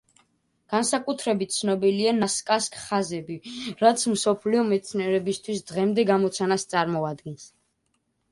განსაკუთრებით ცნობილია ნასკას ხაზები, რაც მსოფლიო მეცნიერებისთვის დღემდე გამოცანას წარმოადგენს.